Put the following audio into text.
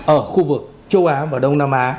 ở khu vực châu á và đông nam á